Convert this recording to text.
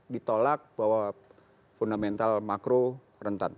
ditolak bahwa fundamental makro rentan